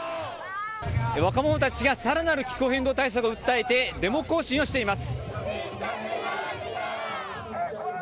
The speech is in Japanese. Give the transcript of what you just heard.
若者たちがさらなる気候変動対策を訴えて、デモ行進をしています。